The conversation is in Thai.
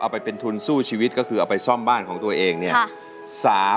ไปเป็นทุนสู้ชีวิตก็คือเอาไปซ่อมบ้านของตัวเองเนี่ย